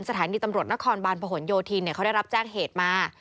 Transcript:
สถานีตำรวจนครบาลประหลโยธินเขาได้รับแจ้งเหตุมา